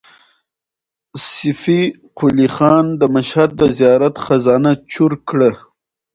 صفي قلي خان د مشهد د زیارت خزانه چور کړه.